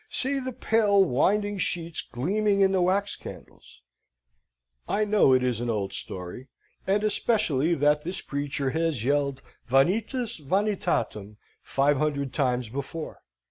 See, the pale winding sheets gleaming in the wax candles! I know it is an old story, and especially that this preacher has yelled vanitas vanitatum five hundred times before.